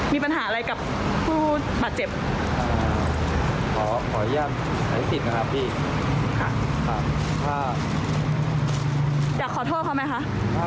ไม่อยากให้เสียหายทางธุรกิจของผู้ตัว